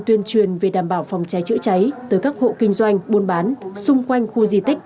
tuyên truyền về đảm bảo phòng cháy chữa cháy tới các hộ kinh doanh buôn bán xung quanh khu di tích